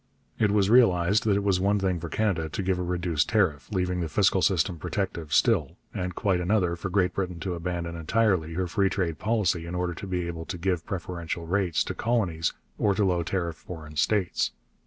It was realized that it was one thing for Canada to give a reduced tariff, leaving the fiscal system protective still, and quite another for Great Britain to abandon entirely her free trade policy in order to be able to give preferential rates to colonies or to low tariff foreign states.